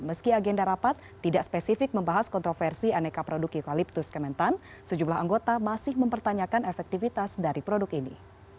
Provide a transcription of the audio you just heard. meski agenda rapat tidak spesifik membahas kontroversi aneka produk eukaliptus kementan sejumlah anggota masih mempertanyakan efektivitas dari produk ini